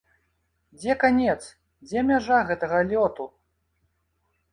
Дзе канец, дзе мяжа гэтага лёту?